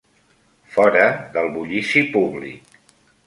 Fora del bullici públic